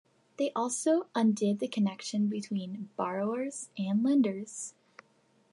They also "undid the connection between borrowers and lenders".